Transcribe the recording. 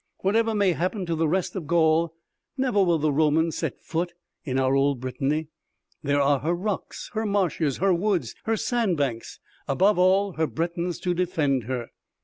Whatever may happen to the rest of Gaul, never will the Romans set foot in our old Britanny. There are her rocks, her marshes, her woods, her sand banks above all her Bretons to defend her."